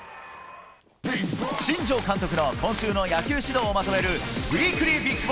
新庄監督の今週の野球指導をまとめるウィークリー